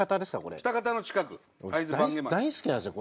大好きなんすよ